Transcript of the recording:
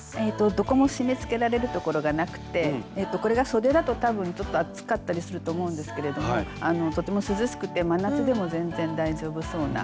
どこも締めつけられるところがなくてこれがそでだと多分ちょっと暑かったりすると思うんですけれどもとても涼しくて真夏でも全然大丈夫そうな。